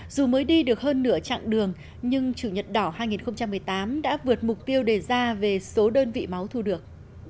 dù mới đi được hơn nửa chặng đường nhưng chủ nhật đỏ hai nghìn một mươi tám đã vượt mục tiêu đề ra về số đơn vị máu thu được